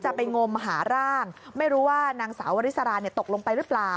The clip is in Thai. ไปงมหาร่างไม่รู้ว่านางสาววริสราตกลงไปหรือเปล่า